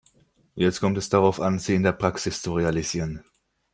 Jetzt kommt es darauf an, sie in der Praxis zu realisieren.